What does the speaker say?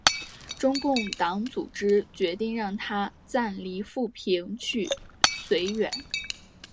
中共党组织决定让他暂离阜平去绥远。